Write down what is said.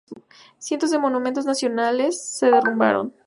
Cientos de monumentos nacionales se derrumbaron.